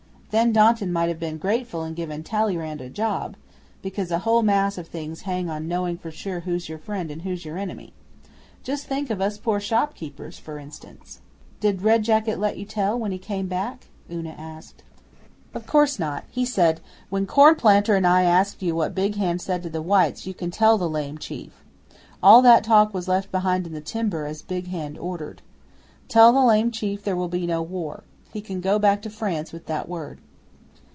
Then Danton might have been grateful and given Talleyrand a job, because a whole mass of things hang on knowing for sure who's your friend and who's your enemy. Just think of us poor shop keepers, for instance.' 'Did Red Jacket let you tell, when he came back?' Una asked. 'Of course not. He said, "When Cornplanter and I ask you what Big Hand said to the whites you can tell the Lame Chief. All that talk was left behind in the timber, as Big Hand ordered. Tell the Lame Chief there will be no war. He can go back to France with that word."